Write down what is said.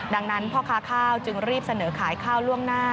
ดังนั้นพ่อค้าข้าวจึงรีบเสนอขายข้าวล่วงหน้า